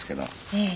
ええ。